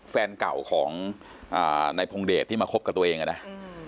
แฟนเก่าของอ่านายพงเดชที่มาคบกับตัวเองอ่ะนะอืม